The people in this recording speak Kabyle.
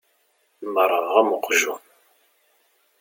Merrɣeɣ am uqjun.